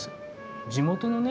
地元のね